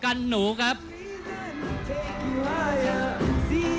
ท่านแรกครับจันทรุ่ม